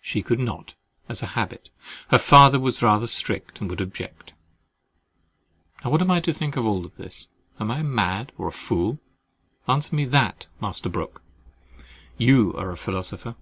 —"She could not, as a habit—her father was rather strict, and would object."—Now what am I to think of all this? Am I mad or a fool? Answer me to that, Master Brook! You are a philosopher.